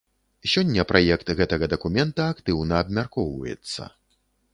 Сёння праект гэтага дакумента актыўна абмяркоўваецца.